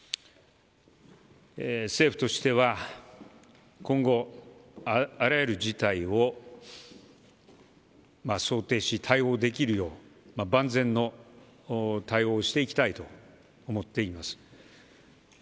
政府としては今後あらゆる事態を想定し対応できるよう万全の対応をしていきたいと思っています。